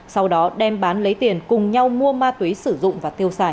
sau đó đem bán lấy tiền cùng nhau mua ma túy sử dụng và tiêu xài